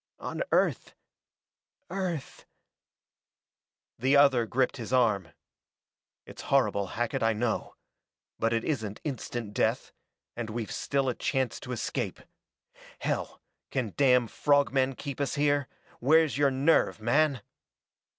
"On Earth Earth " The other gripped his arm. "It's horrible, Hackett, I know. But it isn't instant death, and we've still a chance to escape. Hell, can damn frog men keep us here? Where's your nerve, man?"